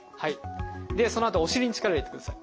そのあとはお尻に力を入れてください。